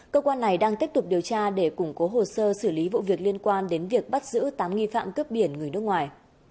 cơ quan này đang tiếp tục điều tra để củng cố hồ sơ xử lý vụ việc liên quan đến việc bắt giữ tám nghi phạm cướp biển người nước ngoài